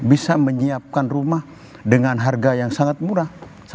bisa menyiapkan rumah dengan harga yang sangat murah